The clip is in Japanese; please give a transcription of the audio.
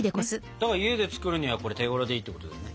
だから家で作るにはこれ手ごろでいいってことだよね。